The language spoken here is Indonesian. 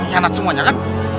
hei pengkhianat semuanya kan